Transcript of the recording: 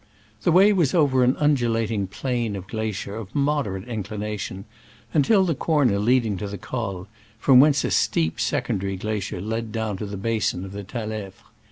The way was over an undulating plain of glacier of moderate inclination until the corner leading to the col, from whence a steep secondary glacier led down into the basin of the. Talefre.